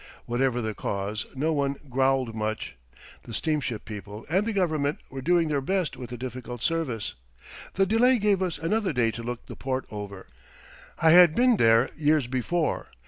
Whatever the cause, no one growled much. The steamship people and the government were doing their best with a difficult service. The delay gave us another day to look the port over. I had been there years before.